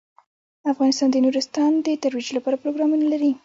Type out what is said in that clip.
افغانستان د نورستان د ترویج لپاره پروګرامونه لري.